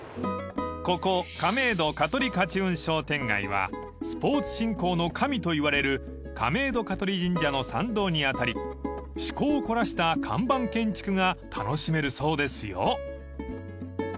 ［ここ亀戸香取勝運商店街はスポーツ振興の神といわれる亀戸香取神社の参道に当たり趣向を凝らした看板建築が楽しめるそうですよ］